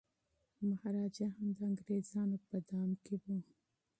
مهاراجا هم د انګریزانو په دام کي و.